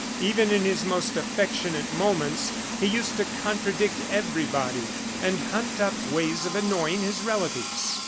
Even in his most affectionate moments, he used to contradict everybody, and hunt up ways of annoying his relatives.